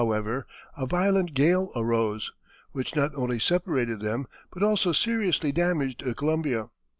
however, a violent gale arose, which not only separated them, but also seriously damaged the Columbia.